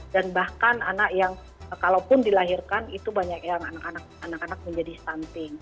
dan bahkan anak yang kalaupun dilahirkan itu banyak yang anak anak menjadi stunting